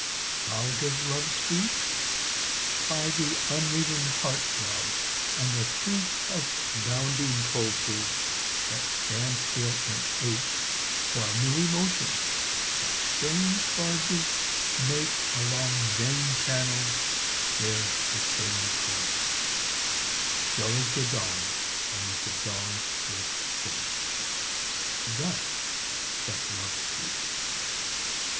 How does Love speak? By the uneven heart throbs, and the freak Of bounding pulses that stand still and ache, While new emotions, like strange barges, make Along vein channels their disturbing course; Still as the dawn, and with the dawn's swift force Thus doth Love speak.